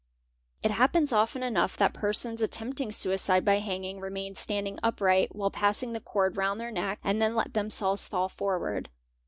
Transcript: It happens often enough 4 * persons attempting suicide by hanging remain standing upright while passing the cord round their neck and then let themselves fall forward.